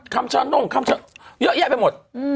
คำชะนุ่งเยอะแยะไปหมด